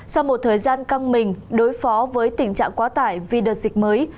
sau một thời gian căng mình đối phó với tình trạng quá tải vì đợt dịch mới